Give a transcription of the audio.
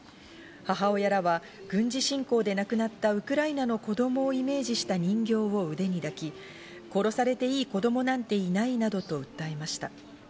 母親らは軍事侵攻で亡くなったウクライナの子供をイメージした人形を腕に抱き殺されていい子供なんていないなどと訴えました。